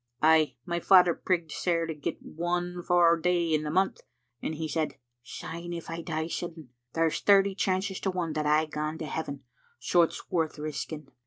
' Ay, my father prigged sair to get one fou day in the month, and he said, *Syne if I die sudden, there's thirty chances to one that I gang to heaven, so it's worth risking.'